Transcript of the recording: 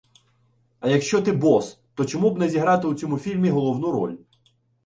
А якщо ти бос, то чому б не зіграти в цьому фільмі головну роль?